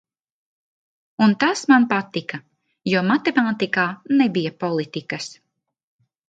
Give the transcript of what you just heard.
Un tas man patika, jo matemātikā nebija politika.